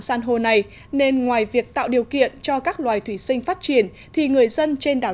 san hô này nên ngoài việc tạo điều kiện cho các loài thủy sinh phát triển thì người dân trên đảo